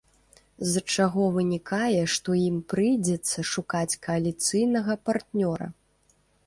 З чаго вынікае, што ім прыйдзецца шукаць кааліцыйнага партнёра.